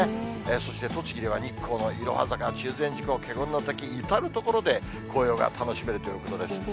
そして栃木では日光のいろは坂、中禅寺湖、華厳の滝、至る所で紅葉が楽しめるということです。